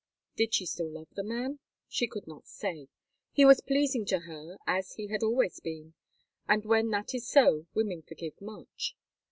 Did she still love the man? She could not say. He was pleasing to her as he had always been, and when that is so women forgive much.